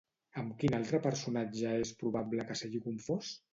Amb quin altre personatge és probable que s'hagi confós?